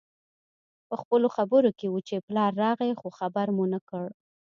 پخپلو خبرو کې وو چې پلار راغی خو خبر مو نه کړ